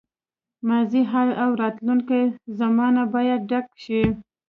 ماضي، حال او راتلونکې زمانه باید ډک شي.